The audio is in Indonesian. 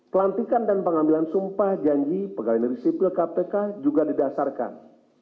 pelantikan dan pengambilan sumpah janji pegawai negeri sipil kpk juga didasarkan